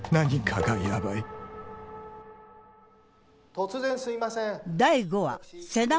・突然すいません。